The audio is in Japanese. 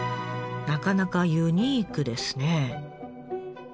なかなかユニークですね。